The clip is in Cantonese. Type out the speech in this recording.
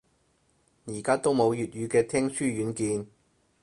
而家都冇粵語嘅聽書軟件